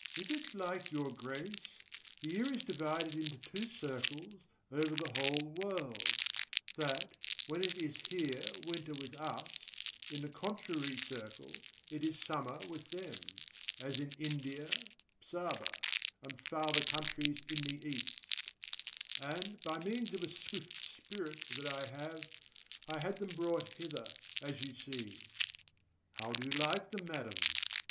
If it like your grace, the year is divided into two circles over the whole world, that, when it is here winter with us, in the contrary circle it is summer with them, as in India, Saba, and farther countries in the east; and by means of a swift spirit that I have, I had them brought hither, as you see. How do you like them, madam?